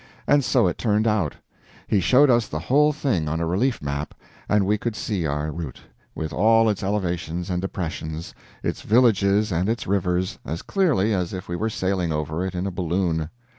And so it turned out. He showed us the whole thing, on a relief map, and we could see our route, with all its elevations and depressions, its villages and its rivers, as clearly as if we were sailing over it in a balloon.